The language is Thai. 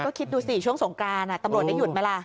ก็คิดดูสิช่วงสงกรานตำรวจได้หยุดไหมล่ะ